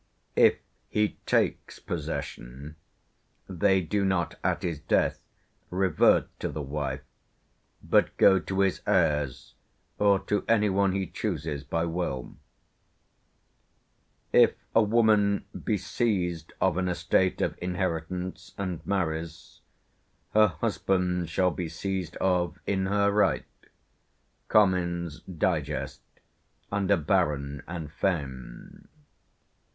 If he takes possession, they do not, at his death, revert to the wife, but go to his heirs or to anyone he chooses by will. "If a woman be seized of an estate of inheritance, and marries, her husband shall be seized of in her right" (Comyn's Digest, under "Baron and Feme").